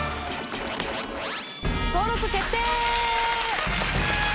登録決定！